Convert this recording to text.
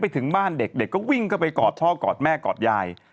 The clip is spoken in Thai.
ถึงบ้านเด็กเด็กก็วิ่งเข้าไปกอดพ่อกอดแม่กอดยาย